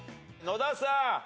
野田さん。